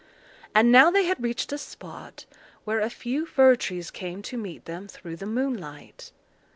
And now they had reached a spot where a few fir trees came to meet them through the moonlight.